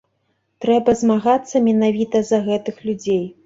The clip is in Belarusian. Трэба змагацца менавіта за гэтых людзей.